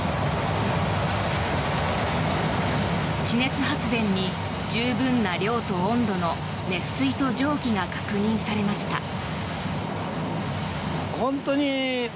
地熱発電に十分な量と温度の熱水と蒸気が確認されました。